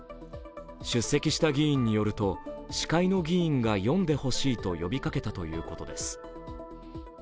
出席した議員によると、司会の議員が読んでほしいと呼びかけたということです。